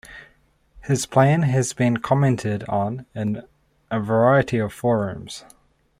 His plan has been commented on in a variety of forums.